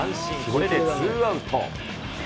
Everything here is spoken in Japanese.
これでツーアウト。